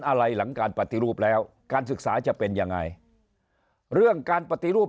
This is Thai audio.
อะไรหลังการปฏิรูปแล้วการศึกษาจะเป็นยังไงเรื่องการปฏิรูป